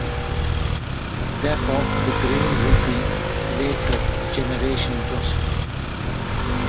Therefore, the grains would be "later-generation" dust.